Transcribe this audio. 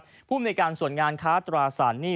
ผู้จำเรื่องการส่วนงานค้าตรวาสารหนี้